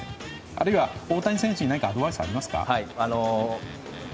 あるいは、大谷選手に何かアドバイスはありますか？